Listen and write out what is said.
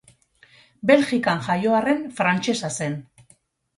Belgikan jaio arren, frantsesa zen.